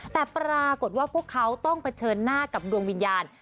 แต่ปรากฏว่าพวกเขาต้องเผชิญหน้ากับดวงวิญญาณ